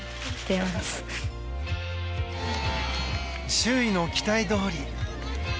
周囲の期待どおり